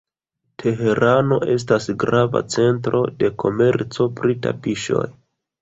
Teherano estas grava centro de komerco pri tapiŝoj.